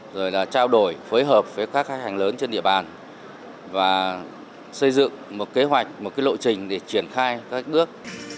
rồi là trao đổi phối hợp với các khách hàng lớn trên địa bàn và xây dựng một kế hoạch một lộ trình để triển khai các bước